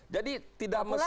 jadi tidak mesti